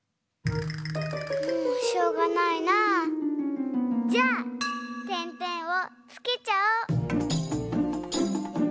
もうしょうがないなぁ。じゃあてんてんをつけちゃおう！